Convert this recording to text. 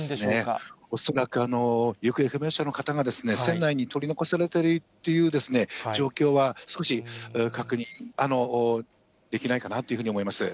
恐らく行方不明者の方が船内に取り残されているっていう状況は、状況は少し、確認できないかなと思います。